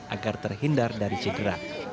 agar terhindar dari cedera